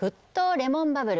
レモンバブル